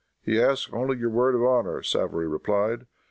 "He asks only your word of honor," Savary replied.